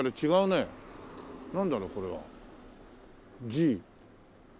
「Ｇ」。